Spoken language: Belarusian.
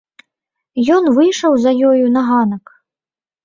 Ён выйшаў за ёю на ганак.